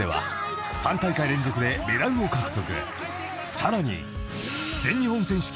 ［さらに］